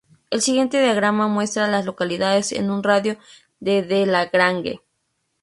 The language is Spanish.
El siguiente diagrama muestra a las localidades en un radio de de La Grange.